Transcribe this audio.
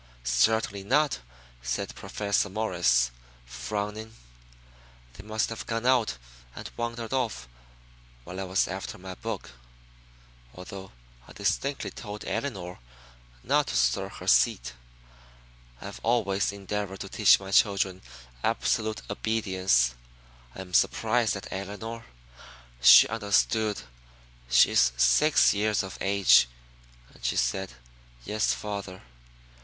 "Certainly not!" said Professor Morris, frowning. "They must have gone out and wandered off while I was after my book, although I distinctly told Elinor not to stir from her seat. I have always endeavored to teach my children absolute obedience. I am surprised at Elinor. She understood. She is six years of age, and she said, "Yes, father."